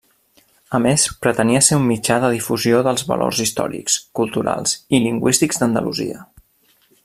A més, pretenia ser un mitjà de difusió dels valors històrics, culturals i lingüístics d'Andalusia.